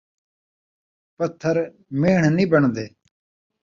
پتھر میݨ نئیں بݨدے